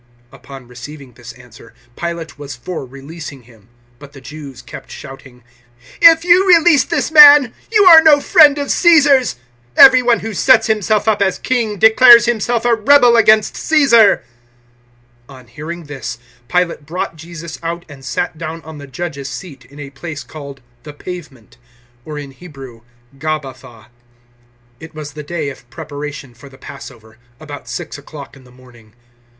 019:012 Upon receiving this answer, Pilate was for releasing Him. But the Jews kept shouting, "If you release this man, you are no friend of Caesar's. Every one who sets himself up as king declares himself a rebel against Caesar." 019:013 On hearing this, Pilate brought Jesus out, and sat down on the judge's seat in a place called the Pavement or in Hebrew, Gabbatha. 019:014 It was the day of Preparation for the Passover, about six o'clock in the morning.